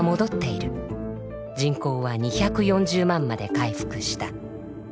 人口は２４０万まで回復した。